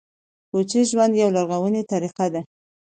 کوچي ژوند یوه لرغونې طریقه ده